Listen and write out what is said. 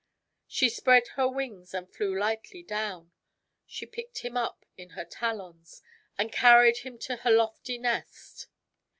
She spread her wings and flew lightly down. She picked him up in her talons, and carried him to her lofty nest.